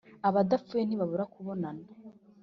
Abadapfuye ntibabura kubonana.